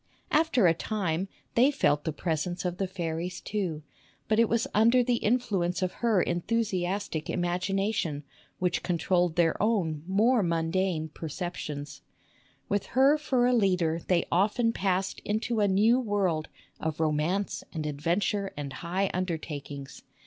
After a time they felt the presence of the fairies too ; but it was under the influ ence of her enthusiastic imagination, which controlled SUSAN COOLIDGE vii their own more mundane perceptions. With her for a leader they often passed into a new world of romance and adventure and high undertakings.